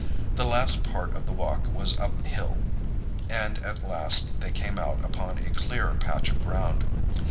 The last part of the walk was up bill, and at length they came out upon a clearer patch of ground.